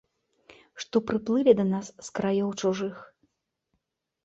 Што прыплылі да нас з краёў чужых.